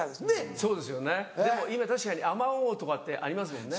そうですよねでも今確かにあまおうとかってありますもんね。